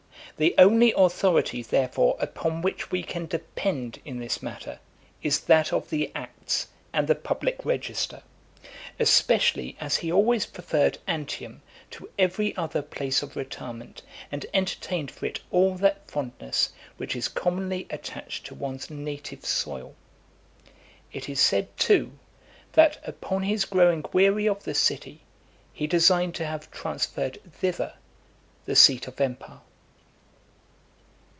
The only authority, therefore, upon which we can depend in this matter, is that of the acts, and the public register; especially as he always preferred Antium to every other place of retirement, and entertained for it all that fondness which is commonly attached to one's native soil. It is said, too, that, upon his growing weary of the city, he designed to have transferred thither the seat of empire.